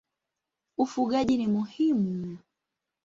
Ufugaji ni muhimu.